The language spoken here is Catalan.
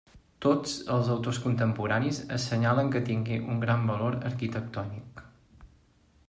Tots els autors contemporanis assenyalen que tingué un gran valor arquitectònic.